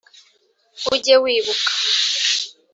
ujye wibuka